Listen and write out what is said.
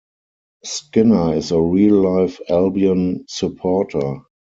Skinner is a real life Albion supporter.